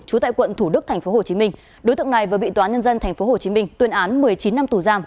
trú tại quận thủ đức tp hcm đối tượng này vừa bị tòa nhân dân tp hcm tuyên án một mươi chín năm tù giam